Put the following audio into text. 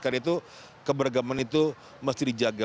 karena itu keberagaman itu mesti dijaga